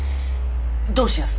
どうしやす？